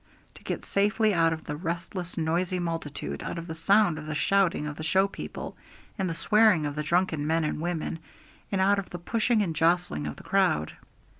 to get safely out of the restless, noisy multitude, out of the sound of the shouting of the show people and the swearing of the drunken men and women, and out of the pushing and jostling of the crowd.